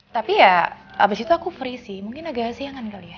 tapi ya abis itu aku perisi mungkin agak siangan kali ya